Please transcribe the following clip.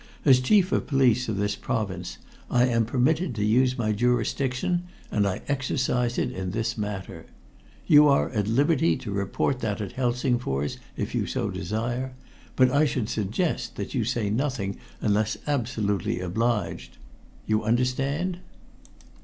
"As Chief of Police of this province, I am permitted to use my jurisdiction, and I exercise it in this matter. You are liberty to report that at Helsingfors, if you so desire, but I should suggest that you say nothing unless absolutely obliged you understand?"